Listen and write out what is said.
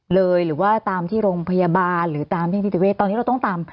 หรือว่าตามที่โรงพยาบาลหรือตามที่นิติเวศตอนนี้เราต้องตาม